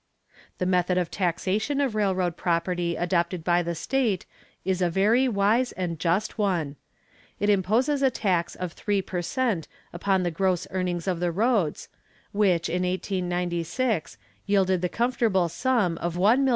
The method of taxation of railroad property adopted by the state is a very wise and just one. It imposes a tax of three per cent upon the gross earnings of the roads, which, in 1896, yielded the comfortable sum of $1,037,194.